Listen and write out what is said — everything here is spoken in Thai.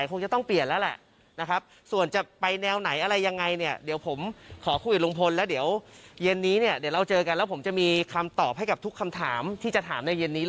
ก็อย่างที่ทุกคนทราบ